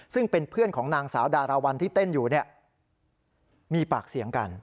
ซึ่งเป็นเพื่อนของนางสาวดาราวันที่เต้นอยู่เนี่ยมีปากเสียงกัน